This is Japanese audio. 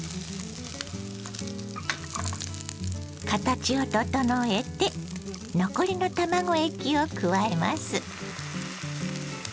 形を整えて残りの卵液を加えます。